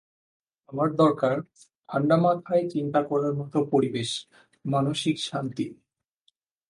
আমার দরকার ঠাণ্ডামাথায় চিন্তা করার মতো পরিবেশ, মানসিক শান্তি।